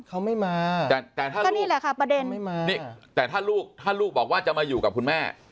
เขาไม่มาก็นี่แหละค่ะประเด็นแต่ถ้าลูกถ้าลูกบอกว่าจะมาอยู่กับคุณแม่